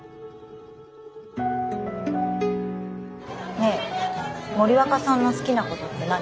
ねえ森若さんの好きなことって何？